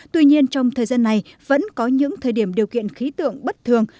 tuy nhiên trong thời gian này vẫn có những thời điểm điều kiện khí tượng bất thường